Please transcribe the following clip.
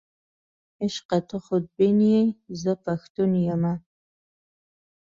عشقه ته خودبین یې، زه پښتون یمه.